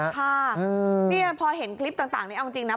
ค่ะนี่พอเห็นคลิปต่างนี้เอาจริงนะ